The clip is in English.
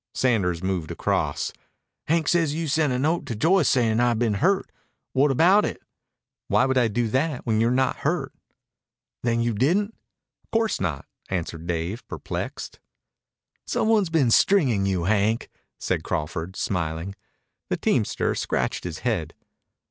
Sanders moved across. "Hank says you sent a note to Joyce sayin' I'd been hurt. What about it?" "Why would I do that when you're not hurt?" "Then you didn't?" "Of course not," answered Dave, perplexed. "Some one's been stringin' you, Hank," said Crawford, smiling. The teamster scratched his head.